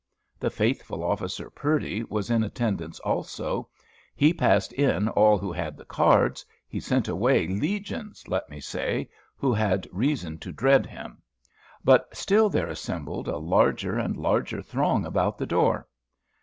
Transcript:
The faithful officer Purdy was in attendance also; he passed in all who had the cards; he sent away legions, let me say, who had reason to dread him; but still there assembled a larger and larger throng about the door.